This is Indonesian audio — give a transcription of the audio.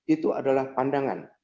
itu adalah pandangan